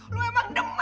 lu emang demen ya